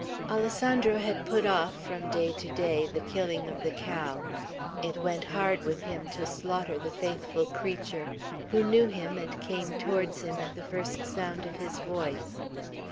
Alessandro had put off, from day to day, the killing of the cow. It went hard with him to slaughter the faithful creature, who knew him, and came towards him at the first sound of his voice.